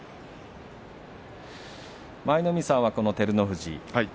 舞の海さんは照ノ富士